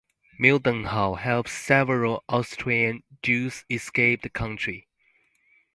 Mildenhall helps several Austrian Jews escape the country.